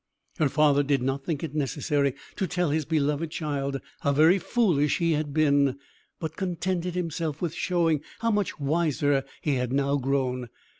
Her father did not think it necessary to tell his beloved child how very foolish he had been, but contented himself with showing how much wiser he had now grown.